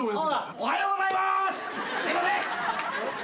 おはようございます。